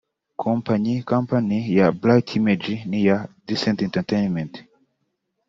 Kompanyi (Company) ya Bright Image n’iya Decent Entertainment